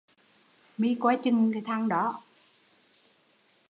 Mi coi chừng thằng đó